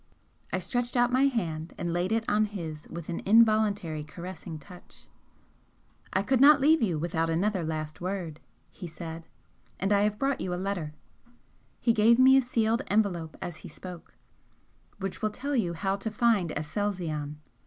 I stretched out my hand and laid it on his with an involuntary caressing touch. "I could not leave you without another last word," he said "And I have brought you a letter" he gave me a sealed envelope as he spoke "which will tell you how to find Aselzion.